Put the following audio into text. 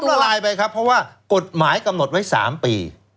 ละลายไปครับเพราะว่ากฎหมายกำหนดไว้๓ปี